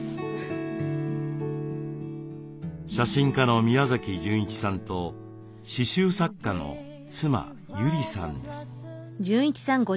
写真家の宮崎純一さんと刺しゅう作家の妻友里さんです。